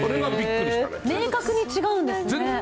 明確に違うんですね。